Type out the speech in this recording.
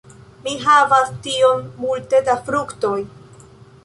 Mi havas tiom multe da fruktoj.